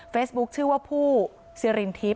เฟซบุ๊กชื่อว่าผู้ซีรินทิพย์